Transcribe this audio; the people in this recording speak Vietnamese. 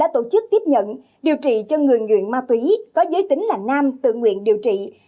tổ chức tiếp nhận điều trị cho người nghiện ma túy có giới tính là nam tự nguyện điều trị